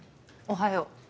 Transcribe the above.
おはよう。